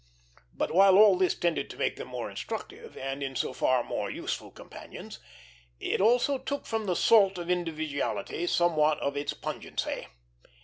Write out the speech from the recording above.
But while all this tended to make them more instructive, and in so far more useful companions, it also took from the salt of individuality somewhat of its pungency.